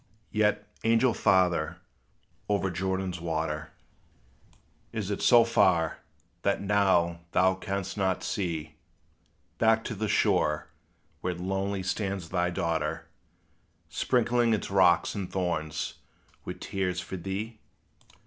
Yet, angel father, over Jordan's water Is it so far, that now thou canst not see Back to the shore, where lonely stands thy daughter, Sprinkling its rocks and thorns with tears for thee?